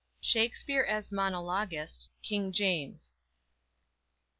SHAKSPERE AS MONOLOGIST. KING JAMES.